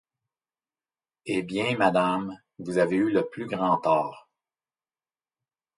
Eh bien, madame, vous avez eu le plus grand tort.